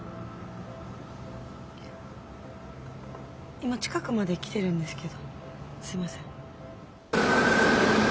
今近くまで来てるんですけどすいません。